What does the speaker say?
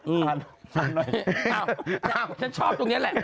อืมอ้าวฉันชอบตรงนี้แหละ